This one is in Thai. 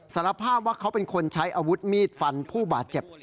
สารภาพว่าเขาเป็นคนใช้อาวุธมีดฟันผู้บาดเจ็บ